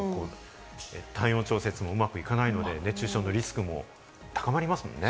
体温調節もうまくいかないので熱中症のリスクも高まりますもんね。